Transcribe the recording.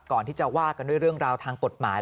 ก่อนที่จะว่ากันด้วยเรื่องราวทางกฎหมาย